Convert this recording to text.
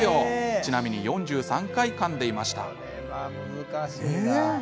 ちなみに４３回かんでいました。